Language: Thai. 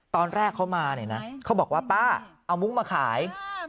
ตอนแรกเขามาเนี่ยนะเขาบอกว่าป้าเอามุ้งมาขาย